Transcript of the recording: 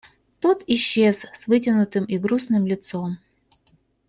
Тот исчез с вытянутым и грустным лицом.